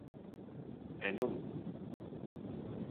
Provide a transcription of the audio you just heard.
E non.